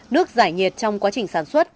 nước giải nhiệt trong quá trình sản xuất